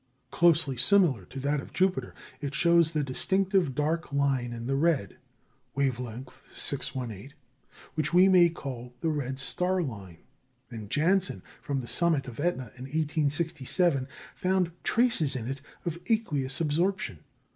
Closely similar to that of Jupiter, it shows the distinctive dark line in the red (wave length 618), which we may call the "red star line"; and Janssen, from the summit of Etna in 1867 found traces in it of aqueous absorption.